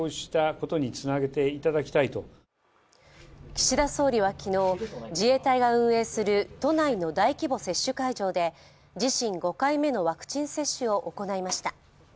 岸田総理は昨日、自衛隊が運営する都内の大規模接種会場で自身５回目のワクチン接種を行いました。